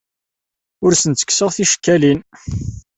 Ur asen-ttekkseɣ ticekkalin.